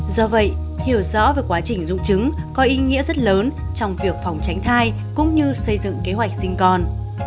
do vậy hiểu rõ về quá trình dụng chứng có ý nghĩa rất lớn trong việc phòng tránh thai cũng như xây dựng kế hoạch sinh con